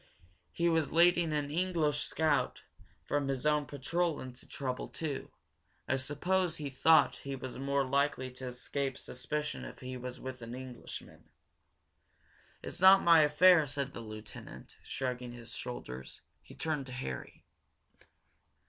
He was leading an English scout from his own patrol into trouble, too. I suppose he thought he was more likely to escape suspicion if he was with an Englishman." "It's not my affair," said the lieutenant, shrugging his shoulders. He turned to Harry.